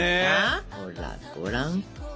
ほらごらん。